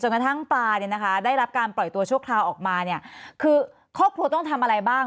จนกระทั่งปลาได้รับการปล่อยตัวชกทาออกมาคือครอบครัวต้องทำอะไรบ้าง